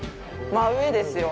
真上ですよ。